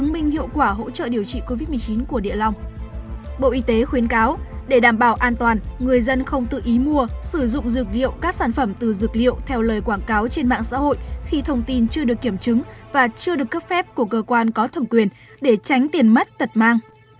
bộ y tế khuyến cáo để đảm bảo an toàn người dân không tự ý mua sử dụng dược liệu các sản phẩm từ dược liệu theo lời quảng cáo trên mạng xã hội khi thông tin chưa được kiểm chứng và chưa được cấp phép của cơ quan có thẩm quyền để tránh tiền mất tật mang